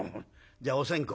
じゃあお線香。